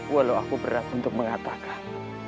walau aku berat untuk mengatakan